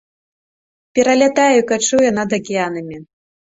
Пералятае і качуе над акіянамі.